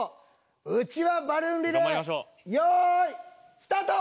うちわバルーンリレー用意スタート！